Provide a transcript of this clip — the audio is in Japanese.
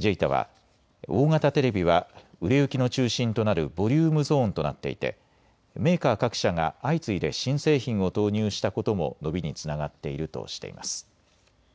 ＪＥＩＴＡは大型テレビは売れ行きの中心となるボリュームゾーンとなっていてメーカー各社が相次いで新製品を投入したことも伸びにつながっているとしています。